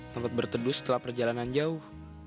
tempat berteduh setelah perjalanan jauh